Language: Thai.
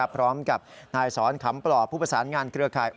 พร้อมกับนายสอนขำปลอบผู้ประสานงานเครือข่าย